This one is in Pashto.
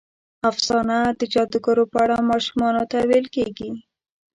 افسانه د جادوګرو په اړه ماشومانو ته ویل کېږي.